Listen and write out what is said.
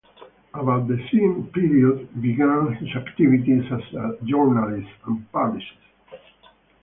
About the same period began his activities as a journalist and publicist.